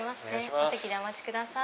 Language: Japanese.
お席でお待ちください。